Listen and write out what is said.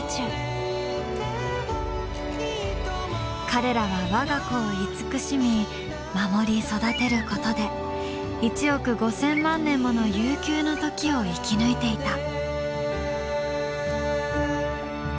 彼らは我が子を慈しみ守り育てることで１億５，０００万年もの悠久の時を生き抜いていた。